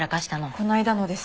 この間のです。